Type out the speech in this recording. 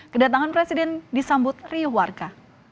kedatangan presiden disambut riuh warga